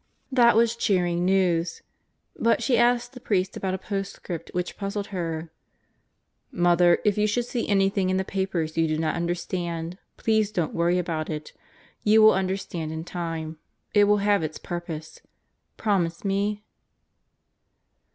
That was cheering news. But she asked the priest about a postscript, which puzzled her: "Mother, if you should see anything in the papers you do not understand, please don't worry about it. You will understand in time. It will have its purpose. Promise me?"